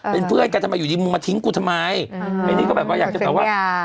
เป็นเพื่อนกันทำไมอยู่ดีมึงมาทิ้งกูทำไมไม่นี่ก็แบบว่าอยากจะแบบว่า